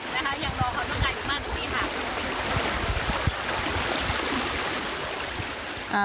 ยังรอเขาเมื่อก่อนมาอยู่บ้านตรงนี้ค่ะ